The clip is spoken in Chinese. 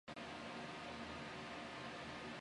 砂拉越拥有热带雨林气候。